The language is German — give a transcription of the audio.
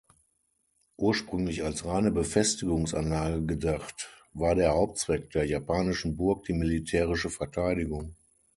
Ursprünglich als reine Befestigungsanlage gedacht, war der Hauptzweck der japanischen Burg die militärische Verteidigung.